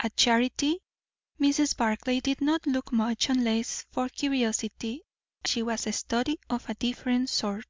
At Charity Mrs. Barclay did not look much, unless for curiosity; she was a study of a different sort.